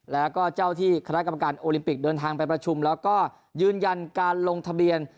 แล้วก็เจ้าที่คณะกรรมการโอลิมปิกเดินทางไปประชุมแล้วก็ยืนยันการลงทะเบียน